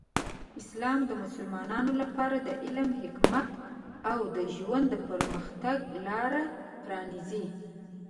اسلام د مسلمانانو لپاره د علم، حکمت، او د ژوند پرمختګ لاره پرانیزي.